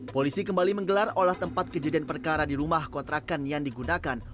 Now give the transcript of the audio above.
polisi kembali menggelar olah tempat kejadian perkara di rumah kontrakan yang digunakan